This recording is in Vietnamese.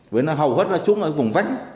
vậy nó hầu hết là xuống ở vùng vánh